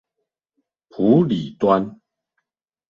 埔里端